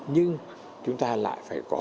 nhưng chúng ta lại phải có